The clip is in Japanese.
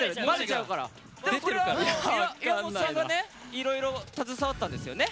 いろいろ携わったんですよね。